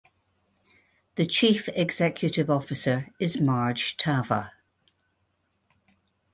The chief executive officer is Marge Tava.